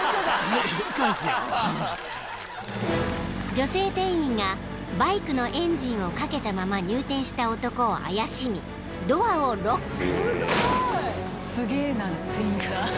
［女性店員がバイクのエンジンをかけたまま入店した男を怪しみドアをロック］